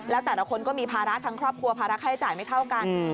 แล้วแต่ละคนก็มีภาระทั้งครอบครัวภาระค่าใช้จ่ายไม่เท่ากัน